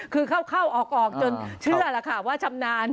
คือเข้าออกจนเชื่อแล้วค่ะว่าชำนาญ